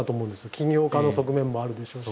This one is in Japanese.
起業家の側面もあるでしょうし。